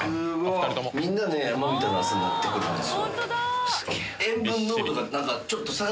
みんな玉みたいな汗になってくるんです。